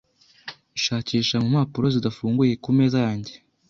Shakisha mu mpapuro zidafunguye ku meza yanjye.